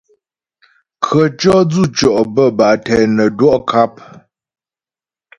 Khətʉɔ̌ dzʉtʉɔ' bə́́ bâ tɛ nə́ dwɔ' kap.